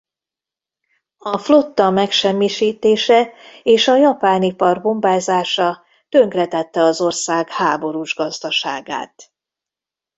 A flotta megsemmisítése és a japán ipar bombázása tönkretette az ország háborús gazdaságát.